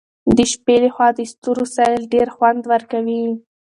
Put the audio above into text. د شپې له خوا د ستورو سیل ډېر خوند ورکوي.